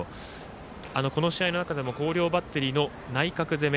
この試合の中でも広陵バッテリーの内角攻め。